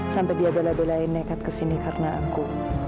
sampai dia bela belain nekat kesini karena aku